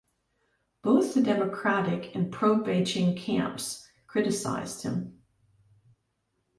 Both the democratic and pro-Beijing camps criticised him.